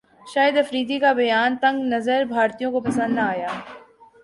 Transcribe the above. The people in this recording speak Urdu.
شاہد افریدی کا بیان تنگ نظر بھارتیوں کو پسند نہ ایا